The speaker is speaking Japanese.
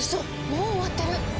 もう終わってる！